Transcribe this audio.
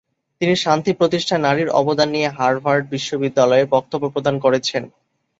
তিনি শান্তি প্রতিষ্ঠায় নারীর অবদান নিয়ে হার্ভার্ড বিশ্ববিদ্যালয়ে বক্তব্য প্রদান করেছেন।